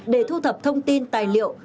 để thu thập thông tin tài liệu